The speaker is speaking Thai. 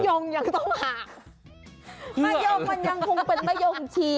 มะยงมันยังคงเป็นมะยงชิน